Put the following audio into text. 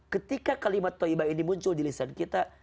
ketika kalimat toyibah ini muncul di lisan kita